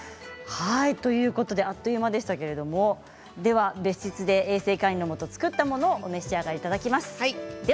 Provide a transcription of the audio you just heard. あっという間でしたけれども別室で衛生管理のもと作ったものをお召し上がりいただきます。